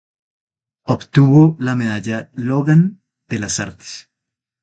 Obtuvo la Medalla Logan de las artes.